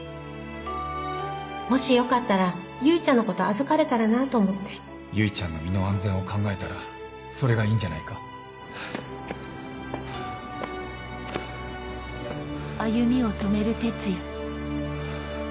もしよかったら唯ちゃんのこと預かれたらなと思って唯ちゃんの身の安全を考えたらそれがいいハァハァハァ。